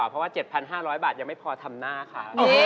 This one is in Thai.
เพราะว่า๗๕๐๐บาทยังไม่พอทำหน้าค่ะ